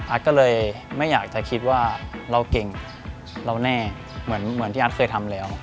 ก็เลยไม่อยากจะคิดว่าเราเก่งเราแน่เหมือนที่อัดเคยทำแล้ว